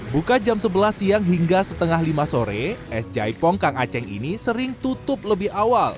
buka jam sebelas siang hingga setengah lima sore es jaipong kang aceh ini sering tutup lebih awal